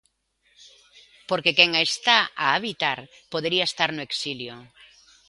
Porque quen a está a habitar podería estar no exilio.